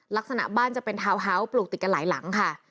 ลักษณะบ้านจะเป็นทาวน์ฮาส์ปลูกติดกันหลายหลังค่ะ